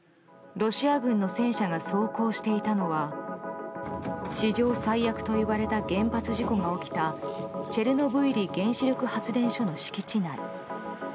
ロシア軍の戦車が走行していたのは史上最悪と言われた原発事故が起きたチェルノブイリ原子力発電所の敷地内。